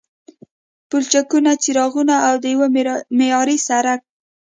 پلچکونو، څراغونو او د یوه معیاري سړک